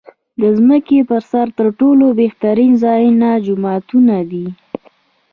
د ځمکې پر سر تر ټولو بهترین ځایونه جوماتونه دی .